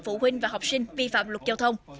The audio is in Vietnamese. phụ huynh và học sinh vi phạm luật giao thông